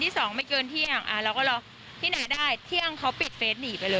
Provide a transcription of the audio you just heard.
เธอก็ทำในสิ่งที่มันผิดกฎหมายดีกว่า